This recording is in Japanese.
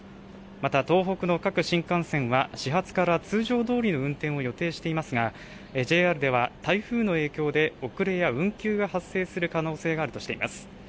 また東北の各新幹線は、始発から通常どおり運転を予定していますが、ＪＲでは台風の影響で、遅れや運休が発生する可能性があるとしています。